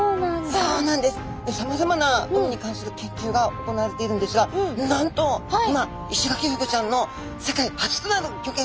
さまざまな海に関する研究が行われているんですがなんと今イシガキフグちゃんの世界初となるギョ研究が行われてるんですね。